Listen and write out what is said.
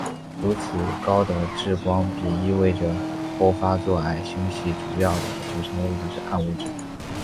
如此高的质光比意味着后发座矮星系主要的组成是暗物质。